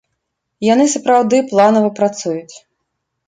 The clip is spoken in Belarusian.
Яны сапраўды планава працуюць.